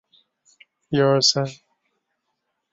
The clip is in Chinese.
有晚唐诗意味。